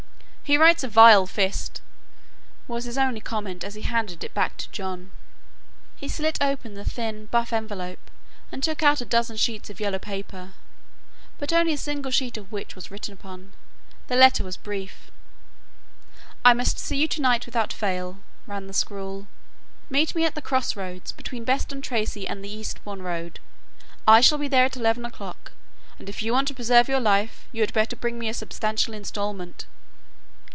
"He writes a vile fist," was his only comment as he handed it back to John. He slit open the thin, buff envelope and took out half a dozen sheets of yellow paper, only a single sheet of which was written upon. The letter was brief: "I must see you to night without fail," ran the scrawl; "meet me at the crossroads between Beston Tracey and the Eastbourne Road. I shall be there at eleven o'clock, and, if you want to preserve your life, you had better bring me a substantial instalment."